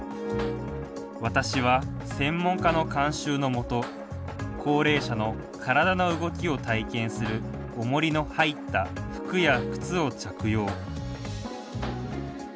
私は、専門家の監修のもと高齢者の体の動きを体験するおもりの入った服や靴を着用。